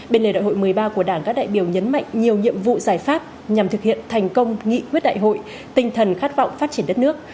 bên lề đại hội một mươi ba của đảng các đại biểu nhấn mạnh nhiều nhiệm vụ giải pháp nhằm thực hiện thành công nghị quyết đại hội tinh thần khát vọng phát triển đất nước